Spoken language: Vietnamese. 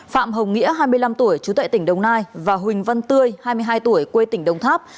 phạm hồng nghĩa hai mươi năm tuổi chú tại tỉnh đồng nai và huỳnh văn tươi hai mươi hai tuổi quê tỉnh đồng tháp